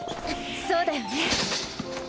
そうだよね。